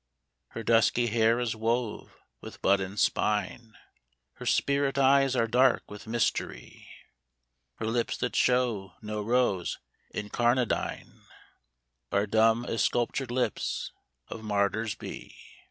Her dusky hair is wove with bud and spine, Her spirit eyes are dark with mystery, Her lips that show no rose incarnadine Are dumb as sculptured lips of martyrs be.